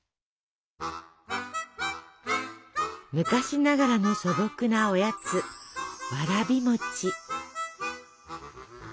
昔ながらの素朴なおやつわらび餅。